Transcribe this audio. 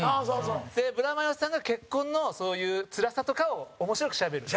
で、ブラマヨさんが結婚のそういう、つらさとかを面白くしゃべる。